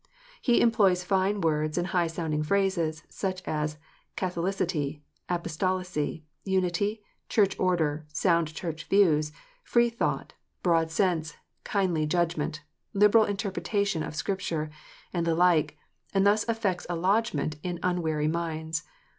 He employs fine words and high sounding phrases, such as "Catholicity, Apostolicity, Unity, Church order, sound Church views, free thought, broad sense, kindly judgment, liberal interpretation of Scripture," and the like, and thus effects a lodgment in unwary minds.